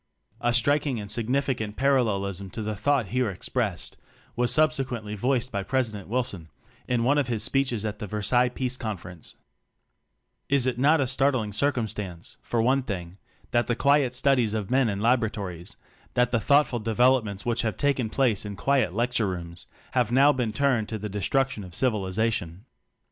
(A striking and significant parallel ism to the thought here expressed was subsequently voiced by Presi dent Wilson in one of his speeches at the Versailles Peace Conference: "Is it not a startling circumstance, for one thing, that the quiet studies of men in laboratories, that the thoughtful developments which have taken place in quiet lecture rooms, have now been turned to the de struction of civilization?